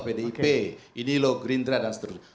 pdip ini loh green dran dan seterusnya